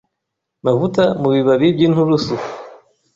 mavuta mu bibabi by’inturusu